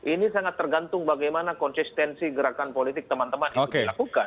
ini sangat tergantung bagaimana konsistensi gerakan politik teman teman itu dilakukan